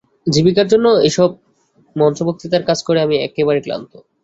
জীবিকার জন্য এইসব মঞ্চ-বক্তৃতার কাজ করে করে আমি একেবারে ক্লান্ত।